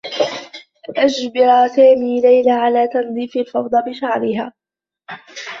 أجبر سامي ليلى على تنظّيف الفوضى بشعرها.